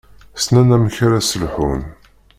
Ssnen amek ara s-lḥun.